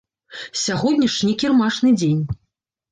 Сягоння ж не кірмашны дзень.